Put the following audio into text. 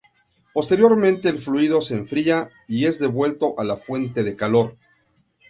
Posteriormente, el fluido se enfría y es devuelto a la fuente de calor.